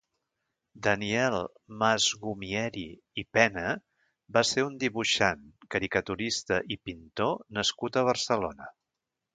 Daniel Masgoumiery i Pena va ser un dibuixant, caricaturista i pintor nascut a Barcelona.